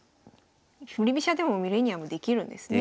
振り飛車でもミレニアムできるんですね。